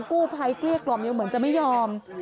เกลี้ยกล่อมยังเหมือนจะไม่ยอม